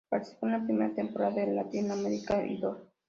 Participó en la primera temporada de Latin American Idol.